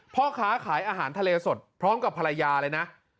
พ่อค้าขายอาหารทะเลสดพร้อมกับภรรยาเลยนะ